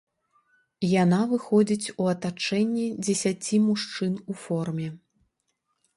Яна выходзіць у атачэнні дзесяці мужчын у форме.